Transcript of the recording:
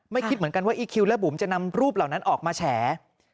คิดเหมือนกันว่าอีคิวและบุ๋มจะนำรูปเหล่านั้นออกมาแฉ